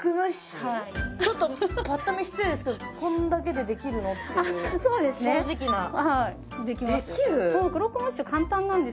はいちょっとぱっと見失礼ですけどこんだけでできるのっていう正直なできます